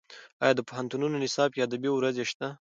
ایا د پوهنتونونو نصاب کې ادبي ورځې شته؟